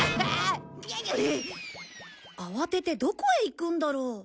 慌ててどこへ行くんだろう？